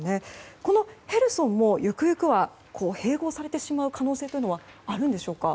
このヘルソンも、ゆくゆくは併合されてしまう可能性はあるんでしょうか。